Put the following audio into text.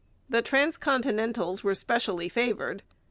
The transcontinentals were specially favoured.